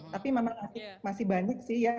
tapi memang masih banyak sih ya